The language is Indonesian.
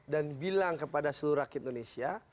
dan bilang kepada seluruh rakyat indonesia